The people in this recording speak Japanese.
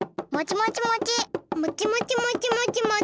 もちもちもち！